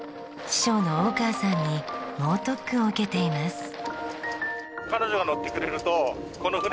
師匠の大川さんに猛特訓を受けています。